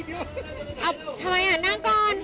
เอาทำไมอ่ะนั่งก่อน